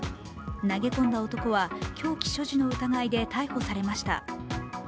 投げ込んだ男は凶器所持の疑いで逮捕されました。